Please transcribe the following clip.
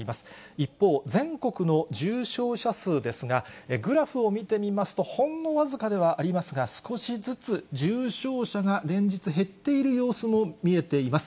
一方、全国の重症者数ですが、グラフを見てみますと、ほんの僅かではありますが、少しずつ重症者が連日減っている様子も見えています。